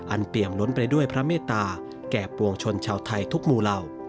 เปี่ยมล้นไปด้วยพระเมตตาแก่ปวงชนชาวไทยทุกหมู่เหล่า